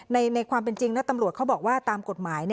ในความเป็นจริงนะตำรวจเขาบอกว่าตามกฎหมาย